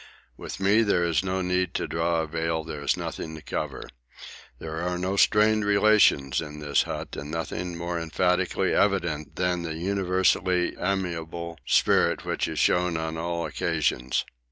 With me there is no need to draw a veil; there is nothing to cover. There are no strained relations in this hut, and nothing more emphatically evident than the universally amicable spirit which is shown on all occasions.